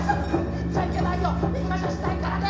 行っちゃいけないよ行かしゃしないからね。